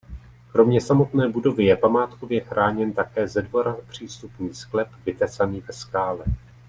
Kromě samotné budovy je památkově chráněn také ze dvora přístupný sklep vytesaný ve skále.